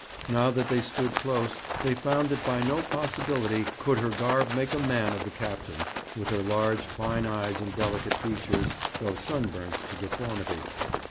Now that they stood close, they found that by no possibility could her garb make a man of the captain, with her large fine eyes and delicate features, though sunburnt to deformity.